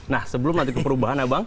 nah sebelum nanti ke perubahan ya bang